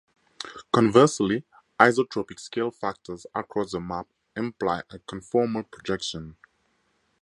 Conversely isotropic scale factors across the map imply a conformal projection.